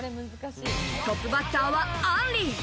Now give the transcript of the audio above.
トップバッターはあんり。